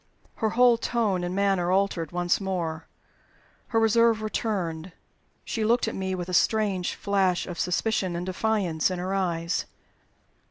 Her whole tone and manner altered once more. Her reserve returned; she looked at me with a strange flash of suspicion and defiance in her eyes.